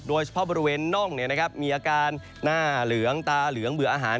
โดยเฉพาะบริเวณน่องมีอาการหน้าเหลืองตาเหลืองเบื่ออาหาร